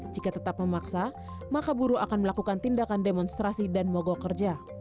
jika tetap memaksa maka buruh akan melakukan tindakan demonstrasi dan mogok kerja